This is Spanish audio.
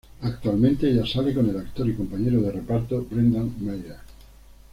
Actualmente ella sale con el actor y compañero de reparto Brendan Meyer.